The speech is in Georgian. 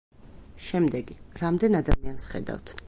შემდეგი: რამდენ ადამიანს ხედავთ?